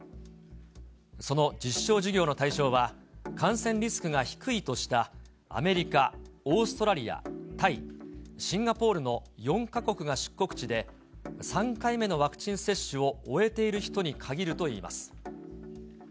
その実証事業の対象は、感染リスクが低いとしたアメリカ、オーストラリア、タイ、シンガポールの４か国が出国地で、３回目のワクチン接種を終えている人に限るといいます。